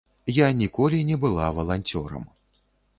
Я ніколі не была валанцёрам.